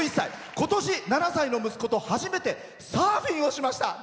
ことし７歳の息子と初めてサーフィンをしました。